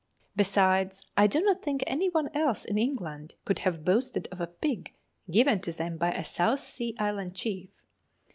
Besides, I do not think any one else in England could have boasted of a pig given to them by a South Sea Island chief.